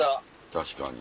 確かに。